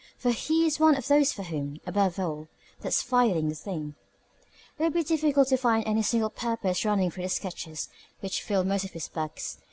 For he is one of those for whom, above all, "the fight's the thing." It would be difficult to find any single purpose running through the sketches which fill most of his books.